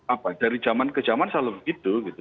apa dari zaman ke zaman selalu begitu gitu